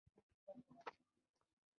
د هر اړخ خوب شي